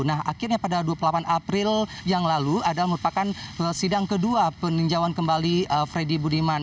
nah akhirnya pada dua puluh delapan april yang lalu adalah merupakan sidang kedua peninjauan kembali freddy budiman